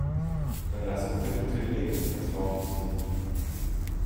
Dann lass uns den Hotelier ins Vertrauen ziehen.